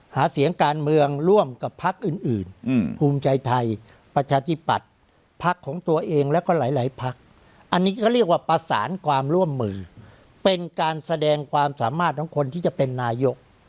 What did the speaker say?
หาเสียงการเมืองร่วมกับพักอื่นภูมิใจไทยประชาชิบัติพักของตัวเองและก็หลายพัก